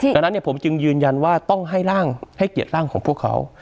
ดังนั้นผมจึงยืนยันว่าต้องให้ร่างให้เกียรติร่างของพวกเขา